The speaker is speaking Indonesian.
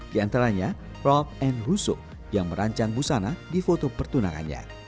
di antaranya rob n russo yang merancang busana di foto pertunangannya